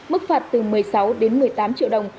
mức phạt từ một mươi sáu đến một mươi tám triệu đồng